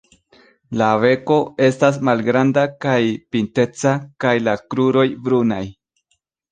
La beko estas malgranda kaj pinteca kaj la kruroj brunaj.